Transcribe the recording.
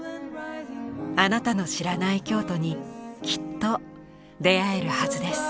あなたの知らない京都にきっと出会えるはずです。